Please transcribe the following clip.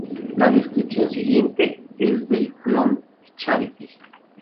La descripción siguiente es del clon Charity.